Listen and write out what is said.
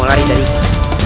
aku sudah selesai